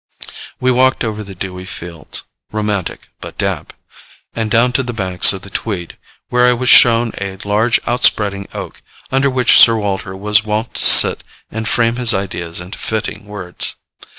We walked over the dewy fields (romantic but damp), and down to the banks of the Tweed, where I was shown a large outspreading oak, under which Sir Walter was wont to sit and frame his ideas into fitting words.